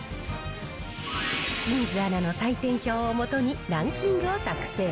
清水アナの採点表を基に、ランキングを作成。